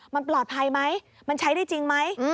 มันปลอดภัยไหมมันใช้ได้จริงไหม